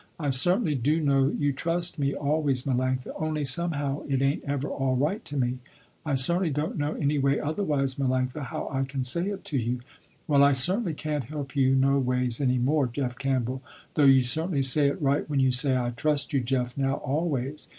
I certainly do know you trust me always Melanctha, only somehow it ain't ever all right to me. I certainly don't know any way otherwise Melanctha, how I can say it to you." "Well I certainly can't help you no ways any more Jeff Campbell, though you certainly say it right when you say I trust you Jeff now always.